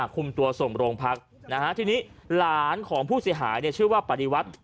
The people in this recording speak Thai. คุมตัวส่งโรงพักนะฮะทีนี้หลานของผู้เสียหายชื่อว่าปฏิวัติ